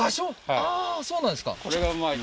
ああーそうなんですか